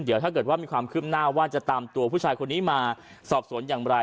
เดี๋ยวถ้าเกิดว่ามีความคืบหน้าว่าจะตามตัวผู้ชายคนนี้มาสอบสวนอย่างไร